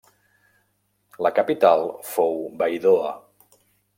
La capital fou Baidoa.